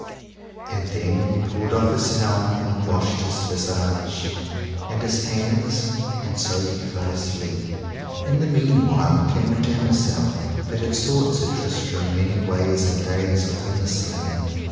And then he pulled off his helm and washed his visage and his hands, and so he fell asleep. In the meanwhile came a damosel that had sought Sir Tristram many ways and days within this land.